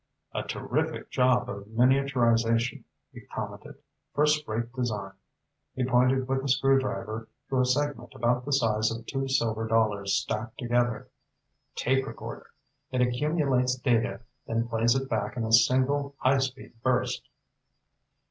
"A terrific job of miniaturization," he commented. "First rate design." He pointed with a screwdriver to a segment about the size of two silver dollars stacked together. "Tape recorder. It accumulates data, then plays it back in a single high speed burst."